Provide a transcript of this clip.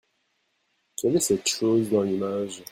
Quel est cette chose dans l'image ?